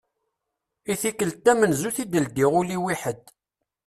I tikkelt tamenzut i d-ldiɣ ul-iw i ḥed.